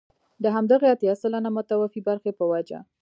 د همدغې اتيا سلنه متوفي برخې په وجه.